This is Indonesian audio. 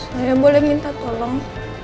saya boleh minta tolong